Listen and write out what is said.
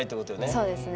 はいそうですね。